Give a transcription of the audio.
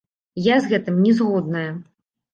Я з гэтым не згодная.